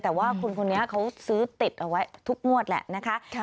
แต่ว่าคุณคนนี้เขาซื้อติดเอาไว้ทุกงวดแหละนะคะ